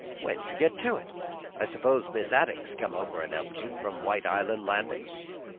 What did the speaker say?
"When'd you get to it? I s'pose Mis' Addicks come over an' helped you, from White Island Landing?"